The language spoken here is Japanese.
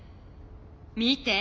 見て！